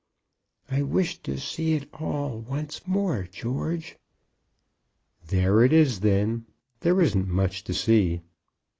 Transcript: "I wished to see it all once more, George." "There it is, then. There isn't much to see."